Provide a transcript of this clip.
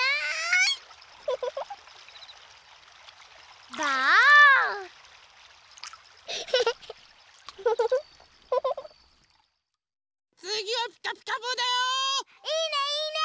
いいねいいね！